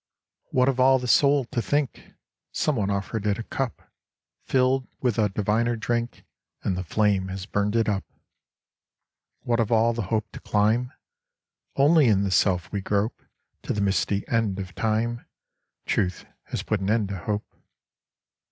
What of all the soul to think ? Some one offered it a cup Filled with a diviner drink, And the flame has burned it up. What of all the hope to climb ? Only in the self we grope To the misty end of time : Truth has put an end to hope.